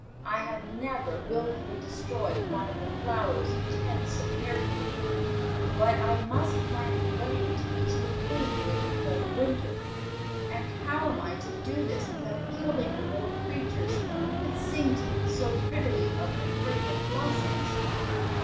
I have never wilfully destroyed one of the flowers you tend so carefully; but I must plant grain to use for food during the cold winter, and how am I to do this without killing the little creatures that sing to me so prettily of their fragrant blossoms?"